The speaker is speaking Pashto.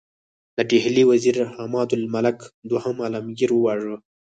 د ډهلي وزیر عمادالملک دوهم عالمګیر وواژه.